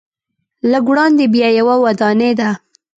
لږ وړاندې بیا یوه ودانۍ ده.